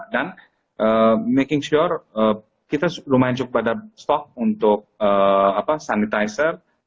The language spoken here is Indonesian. dan making sure kita lumayan cukup pada stock untuk sanitizer hand loss semama sama